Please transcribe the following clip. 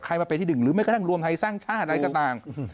มาเป็นที่๑หรือไม่กระทั่งรวมไทยสร้างชาติอะไรก็ต่าง